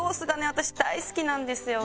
私大好きなんですよ。